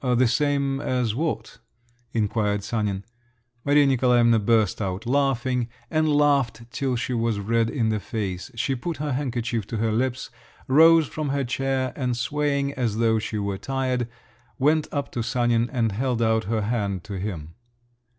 "The same as what?" inquired Sanin. Maria Nikolaevna burst out laughing, and laughed till she was red in the face; she put her handkerchief to her lips, rose from her chair, and swaying as though she were tired, went up to Sanin, and held out her hand to him.